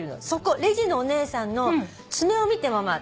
レジのお姉さんの爪を見てママ。